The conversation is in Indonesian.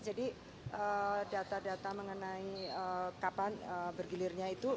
jadi data data mengenai kapan bergilirnya itu